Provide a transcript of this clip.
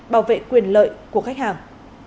bảo vệ quyền lợi của khách hàng